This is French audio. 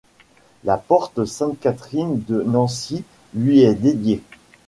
La porte Sainte-Catherine de Nancy lui est dédiée.